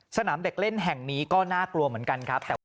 สนามเด็กเล่นแห่งนี้ก็น่ากลัวเหมือนกันครับ